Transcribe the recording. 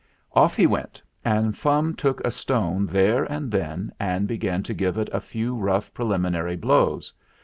Off he went, and Fum took a stone there and then and began to give it a few rough pre liminary blows.